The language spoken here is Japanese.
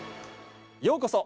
ようこそ！